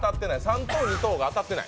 ３等、２等が当たってない。